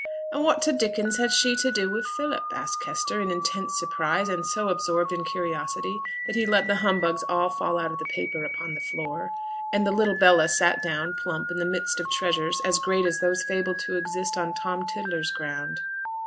'An' what t' dickins had she to do wi' Philip?' asked Kester, in intense surprise; and so absorbed in curiosity that he let the humbugs all fall out of the paper upon the floor, and the little Bella sat down, plump, in the midst of treasures as great as those fabled to exist on Tom Tiddler's ground.